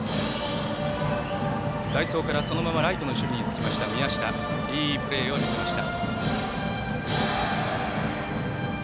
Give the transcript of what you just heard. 代走からそのままライトの守備についた宮下、いいプレーを見せました。